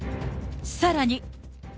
さらに。